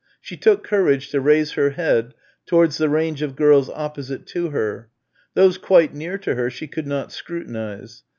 She took courage to raise her head towards the range of girls opposite to her. Those quite near to her she could not scrutinise.